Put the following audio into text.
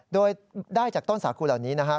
โดยได้จากต้นสาคูเหล่านี้นะฮะ